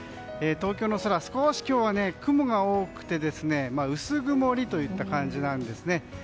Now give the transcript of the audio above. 東京の空、少し今日は雲が多くて薄曇りといった感じなんですね。